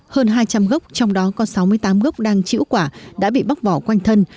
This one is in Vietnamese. hơn hai trăm linh gốc trong đó có sáu mươi tám gốc đang chữ quả đã bị bóc bỏ quanh thân